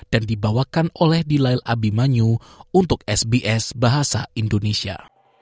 dan dibawakan oleh dilail abimanyu untuk sbs bahasa indonesia